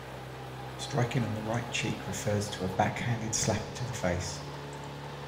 Striking on the right cheek refers to a back-handed slap to the face.